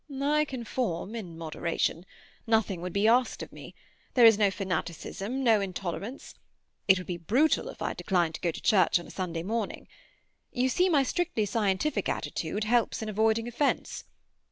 "I conform, in moderation. Nothing would be asked of me. There is no fanaticism, no intolerance. It would be brutal if I declined to go to church on a Sunday morning. You see, my strictly scientific attitude helps in avoiding offence.